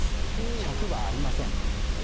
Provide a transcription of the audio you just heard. １００はありません。